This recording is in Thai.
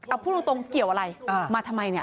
เอาพูดตรงเกี่ยวอะไรมาทำไมเนี่ย